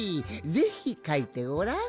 ぜひかいてごらん。